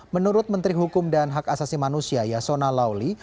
menurut menteri hukum dan hak asasi manusia yasona lauli